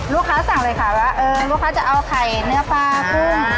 ลูกค้าสั่งเลยค่ะว่าเออลูกค้าจะเอาไข่เนื้อปลาพุ่ม